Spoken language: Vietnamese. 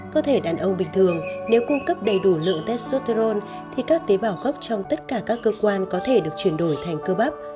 cơ thể đàn ông bình thường nếu cung cấp đầy đủ lượng test soterone thì các tế bào gốc trong tất cả các cơ quan có thể được chuyển đổi thành cơ bắp